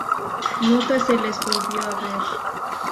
Nunca se les volvió a ver.